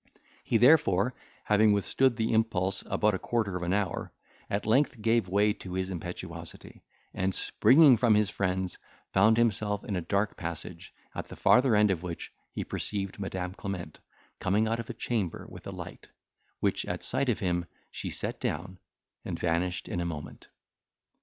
He, therefore, having withstood the impulse about a quarter of an hour, at length gave way to his impetuosity, and, springing from his friends, found himself in a dark passage, at the farther end of which he perceived Madam Clement coming out of a chamber with a light, which, at sight of him, she set down, and vanished in a moment.